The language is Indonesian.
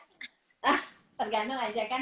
tergantung aja kan